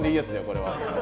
これは。